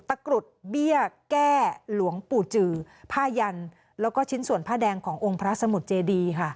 กรุดเบี้ยแก้หลวงปู่จือผ้ายันแล้วก็ชิ้นส่วนผ้าแดงขององค์พระสมุทรเจดีค่ะ